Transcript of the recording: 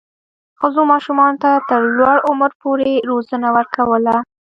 ښځو ماشومانو ته تر لوړ عمر پورې روزنه ورکوله.